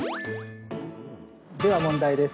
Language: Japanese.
では問題です。